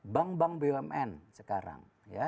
bank bank bumn sekarang